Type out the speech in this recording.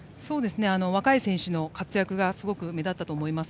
若い選手の活躍がすごく目立ったと思います。